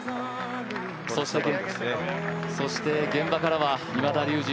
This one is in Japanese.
そして現場からは、今田竜二